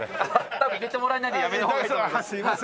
多分入れてもらえないんでやめた方がいいと思います。